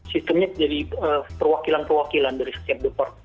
sistemnya jadi perwakilan perwakilan dari setiap depart